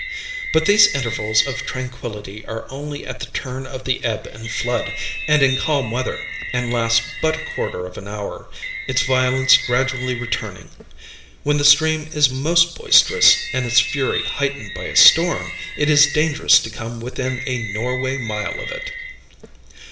"But these intervals of tranquillity are only at the turn of the ebb and flood, and in calm weather, and last but a quarter of an hour, its violence gradually returning. When the stream is most boisterous, and its fury heightened by a storm, it is dangerous to come within a Norway mile of it.